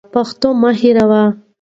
پښتو مه هېروئ.